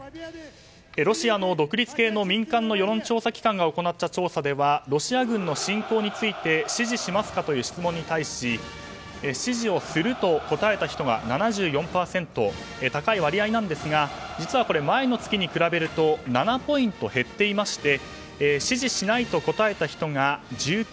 ロシアの独立系の民間の世論調査機関が行った調査ではロシア軍の侵攻について支持しますかという質問に対して支持をすると答えた人が７４％で高い割合なんですが実は、前の月に比べると７ポイント減っていまして支持しないと答えた人が１９％